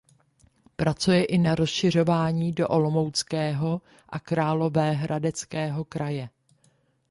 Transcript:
Pracuje i na rozšiřování do Olomouckého a Královéhradeckého kraje.